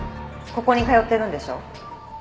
ここに通ってるんでしょ？